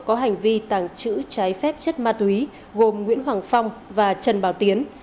có hành vi tàng trữ trái phép chất ma túy gồm nguyễn hoàng phong và trần bảo tiến